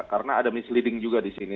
karena ada misleading juga di sini